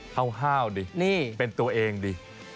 ห้าวดิเป็นตัวเองดิ